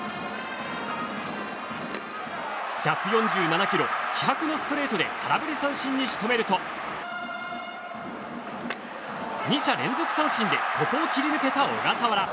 １４７キロ、気迫のストレートで空振り三振に仕留めると二者連続三振でここを切り抜けた小笠原。